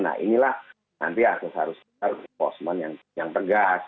nah inilah nanti harus enforcement yang tegas